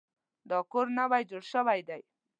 دا کور نوی جوړ شوی دی